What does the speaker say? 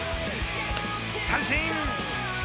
三振！